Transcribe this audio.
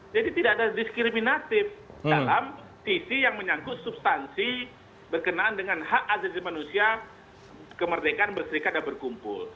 jadi tidak ada diskriminatif dalam sisi yang menyangkut substansi berkenaan dengan hak azadin manusia kemerdekaan berserikat dan berkumpul